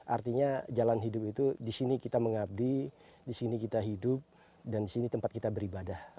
artinya jalan hidup itu di sini kita mengabdi di sini kita hidup dan di sini tempat kita beribadah